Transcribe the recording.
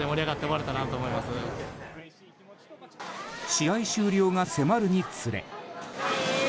試合終了が迫るにつれ。